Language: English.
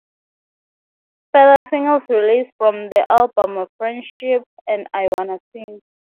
Further singles released from the album were "Friendship" and "I Wanna Sing".